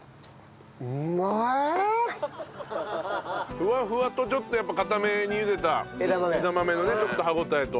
ふわふわとちょっとやっぱ硬めにゆでた枝豆のねちょっと歯応えと。